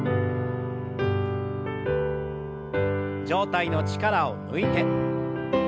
上体の力を抜いて。